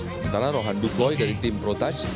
sementara rohan duploy dari tim protach